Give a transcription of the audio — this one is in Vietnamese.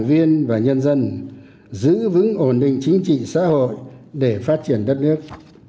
viên và nhân dân giữ vững ổn định chính trị xã hội để phát triển đất nước